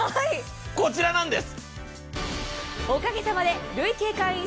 こちらなんです。